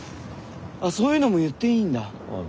あっそういうのも言っていいんだ？